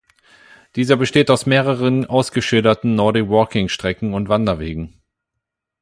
Dieser besteht aus mehreren ausgeschilderten Nordic-Walking-Strecken und Wanderwegen.